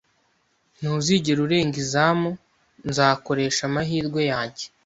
"Ntuzigera urenga izamu." "Nzakoresha amahirwe yanjye."